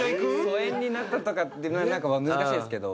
疎遠になったとかなんか難しいですけど。